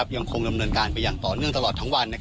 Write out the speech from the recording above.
ยังคงดำเนินการไปอย่างต่อเนื่องตลอดทั้งวัน